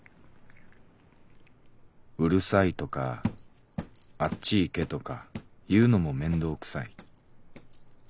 「ウルサイとかあっち行けとか言うのも面倒くさい」。